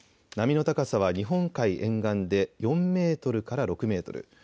波の高さは日本海沿岸で４メートルから６メートル